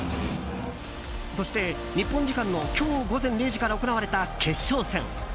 そして、日本時間の今日午前０時から行われた決勝戦。